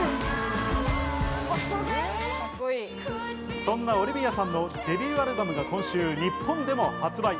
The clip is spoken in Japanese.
そんなオリヴィアさんのデビューアルバムが今週日本でも発売。